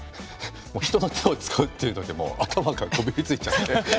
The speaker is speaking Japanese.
人の手を使うっていうのでもう頭こびりついちゃって。